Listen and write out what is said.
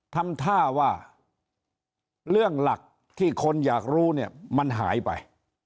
ทำท่าว่าเรื่องหลักที่คนอยากรู้เนี่ยมันหายไป